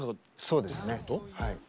そうですねはい。